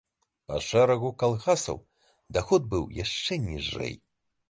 Па шэрагу калгасаў даход быў яшчэ ніжэй.